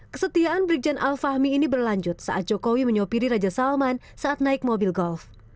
kesetiaan brigjen al fahmi ini berlanjut saat jokowi menyopiri raja salman saat naik mobil golf